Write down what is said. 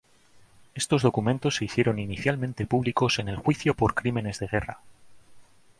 Estos documentos se hicieron inicialmente públicos en el juicio por crímenes de guerra.